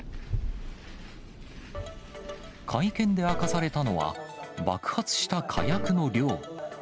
会見で明かされたのは、爆発した火薬の量。